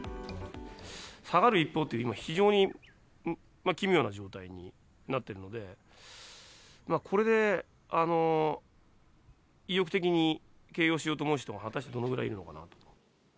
下がる一方って、今、非常に奇妙な状態になっているので、これで意欲的に経営をしようと思う人が果たしてどのぐらいいるのかなと。